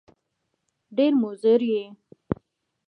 ډېر مضر یې !